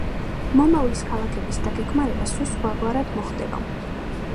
მომავლის ქალაქების დაგეგმარება სულ სხვაგვარად მოხდება.